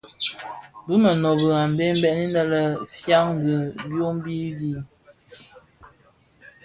Bi mënōbi a Mbembe innë fyan fi dhifombi di.